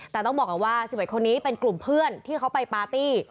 แต่ต้องบอกก่อนว่า๑๑คนนี้เป็นกลุ่มเพื่อนที่เขาไปปาร์ตี้